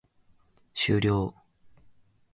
終了